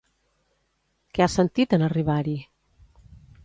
Què ha sentit en arribar-hi?